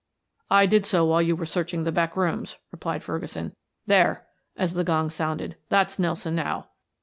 "I did so while you were searching the back rooms," replied Ferguson. "There," as the gong sounded. "That's Nelson, now."